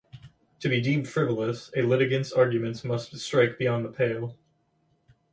To be deemed frivolous, a litigant's arguments must strike beyond the pale.